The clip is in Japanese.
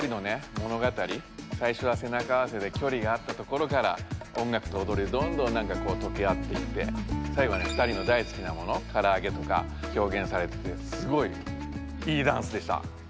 ものがたり最初はせなかあわせで距離があったところから音楽とおどりでどんどんなんかこうとけあっていって最後は２人の大好きなものから揚げとか表現されててすごいいいダンスでした。